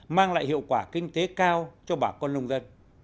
mang lại hiệu quả kinh tế cao cho bà con nông dân